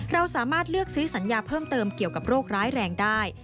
เราสามารถเลือกซื้อสัญญาเพิ่มเติมเกี่ยวกับโรคร้ายแรงได้